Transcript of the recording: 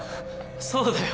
そうだよ。